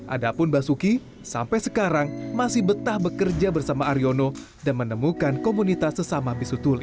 adapun basuki sampai sekarang masih betah bekerja bersama aryono dan menemukan komunitas sesama bisu tuli